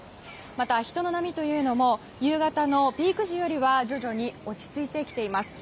また人の波も夕方のピーク時よりは徐々に落ち着いてきています。